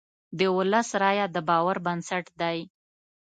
د ولس رایه د باور بنسټ دی.